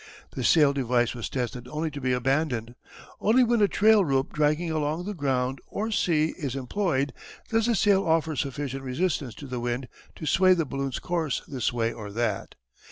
The sail device was tested only to be abandoned. Only when a trail rope dragging along the ground or sea is employed does the sail offer sufficient resistance to the wind to sway the balloon's course this way or that.